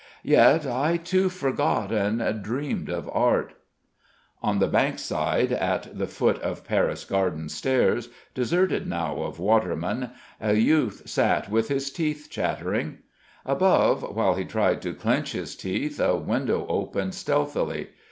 Yet I, too, forgot and dreamed of art...." On the Bankside at the foot of Paris Garden Stairs, deserted now of watermen, a youth sat with his teeth chattering. Above, while he tried to clench his teeth, a window opened stealthily.